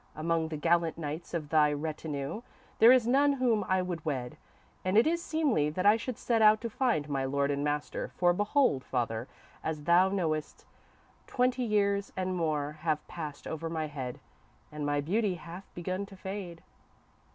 Among the gallant knights of thy retinue, there is none whom I would wed, and it is seemly that I should set out to find my lord and master, for behold, father, as thou knowest, twenty years and more have passed over my head, and my beauty hath begun to fade."